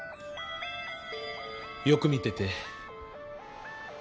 よく見てて。